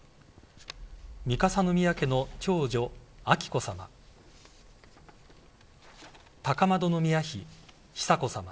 三笠宮家の長女・彬子さま